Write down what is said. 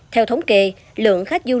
theo thống kỳ lượng khách du khách